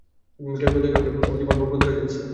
কেউ দেখে ফেললে, ওর জীবন বরবাদ হয়ে যাবে স্যার।